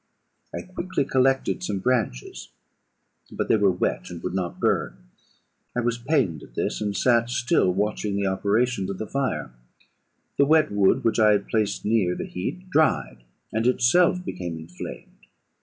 I quickly collected some branches; but they were wet, and would not burn. I was pained at this, and sat still watching the operation of the fire. The wet wood which I had placed near the heat dried, and itself became inflamed.